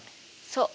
そう。